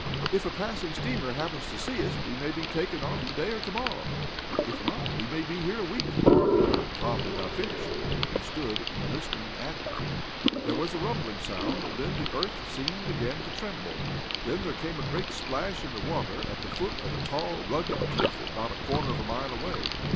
"If a passing steamer happens to see us, we may be taken off to day or to morrow. If not we may be here a week, or " Tom did not finish. He stood in a listening attitude. There was a rumbling sound, and the earth seemed again to tremble. Then there came a great splash in the water at the foot of a tall, rugged cliff about a quarter of a mile away.